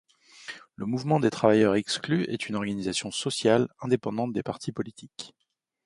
Le Mouvement des Travailleurs Exclus est une organisation sociale, indépendante des partis politiques.